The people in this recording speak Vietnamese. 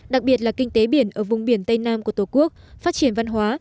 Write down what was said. đặc biệt là kinh tế biển ở vùng biển tây nam của tổ quốc phát triển văn hóa